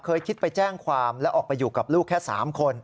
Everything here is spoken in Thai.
เคยคิดไปแจ้งความแล้วออกไปอยู่กับลูกแค่๓คน